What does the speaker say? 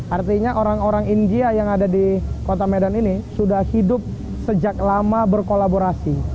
artinya orang orang india yang ada di kota medan ini sudah hidup sejak lama berkolaborasi